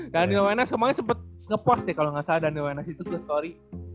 daniel wainers kemarin sempet ngepost ya kalau gak salah daniel wainers itu ke story